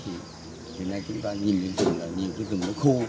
thì hiện nay chúng ta nhìn rừng là nhìn cái rừng nó khô